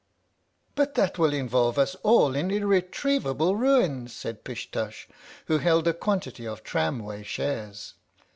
" But that will involve us all in irretrievable ruin !" said Pish Tush, who held a quantity of tramway shares.